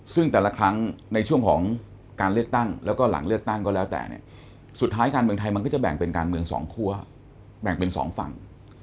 ซึ่งแต่ละครั้งในช่วงของการเลือกตั้งแล้วก็หลังเลือกตั้งก็แล้วแต่เนี่ยสุดท้ายการเมืองไทยมันก็จะแบ่งเป็นการเมืองสองคั่วแบ่งเป็นสองฝั่ง